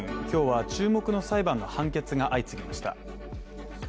今日は注目の裁判の判決が相次ぎました。